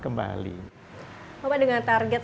kembali bapak dengan target